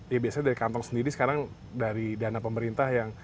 ya biasanya dari kantong sendiri sekarang dari dana pemerintah yang